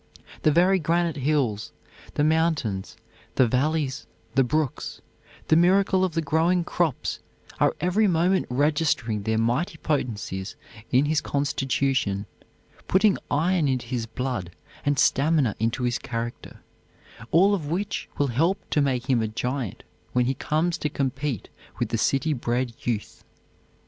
The very granite hills, the mountains, the valleys, the brooks, the miracle of the growing crops are every moment registering their mighty potencies in his constitution, putting iron into his blood and stamina into his character, all of which will help to make him a giant when he comes to compete with the city bred youth.